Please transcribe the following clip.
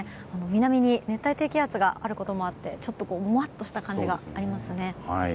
南に熱帯低気圧があることもあってちょっともわっとした感じがありますね。